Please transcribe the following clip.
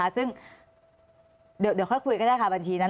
ซึ่งเดี๋ยวค่อยคุยกันได้ค่ะบัญชีนั้น